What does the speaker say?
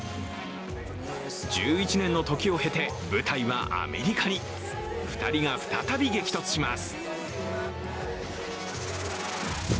１１年の時を経て、舞台はアメリカに２人が再び激突します。